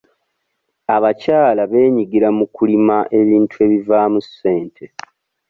Abakyala beenyigira mu kulima ebintu ebivaamu ssente.